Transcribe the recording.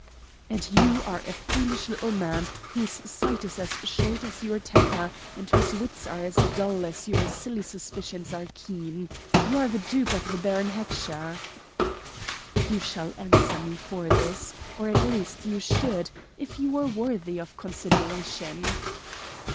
"And you are a foolish little man, whose sight is as short as your temper, and whose wits are as dull as your silly suspicions are keen. You are the dupe of the Baron Heckscher." "You shall answer to me for this or at least you should, if you were worthy of consideration."